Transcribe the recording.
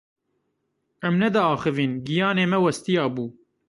Em nediaxivîn, giyanê me westiya bû.